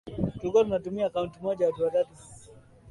Peninsula ya Balkan katika kipindi cha baadaye cha